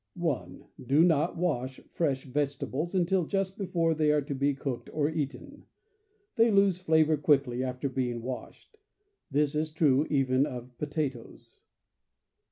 (1) Do not wash fresh vegetables until just before they are to be cooked or eaten. They lose flavor quickly after being washed. This is true even of potatoes.